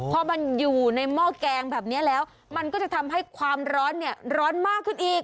พอมันอยู่ในหม้อแกงแบบนี้แล้วมันก็จะทำให้ความร้อนเนี่ยร้อนมากขึ้นอีก